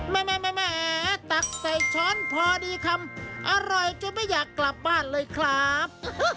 แม่ตักใส่ช้อนพอดีคำอร่อยจนไม่อยากกลับบ้านเลยครับ